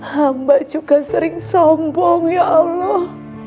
hamba juga sering sombong ya allah